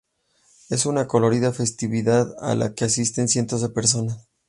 Es una colorida festividad a la que asisten cientos de personas.